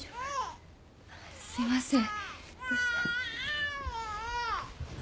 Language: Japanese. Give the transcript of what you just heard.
すいません。